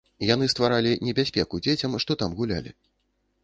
Яны стваралі небяспеку дзецям, што там гулялі.